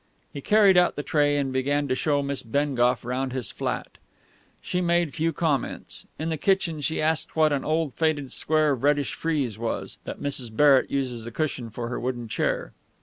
He carried out the tray, and then began to show Miss Bengough round his flat. She made few comments. In the kitchen she asked what an old faded square of reddish frieze was, that Mrs. Barrett used as a cushion for her wooden chair.